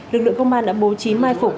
lực lượng công an đã bố trí mai phục